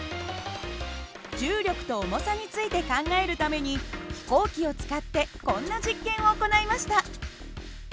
重力と重さについて考えるために飛行機を使ってこんな実験を行いました。